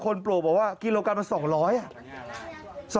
คนโปรบบอกว่ากิโลกรัมมัน๒๐๐บาท